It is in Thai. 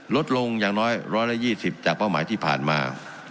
ลดลงอย่างน้อย๑๒๐จากเป้าหมายที่ผ่านมา